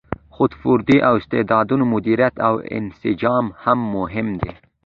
خو د فردي استعدادونو مدیریت او انسجام هم مهم دی.